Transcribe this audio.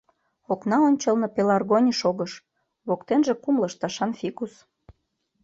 Окна ончылно пелларгоний шогыш, воктенже кум лышташан фикус.